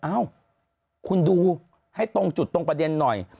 เอ้าคุณดูให้ตรงจุดตรงประเด็นหน่อย